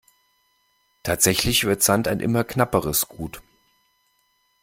Tatsächlich wird Sand ein immer knapperes Gut.